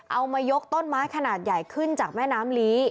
มายกต้นไม้ขนาดใหญ่ขึ้นจากแม่น้ำลี